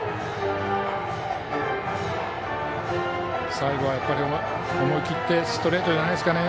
最後は思い切ってストレートじゃないですかね。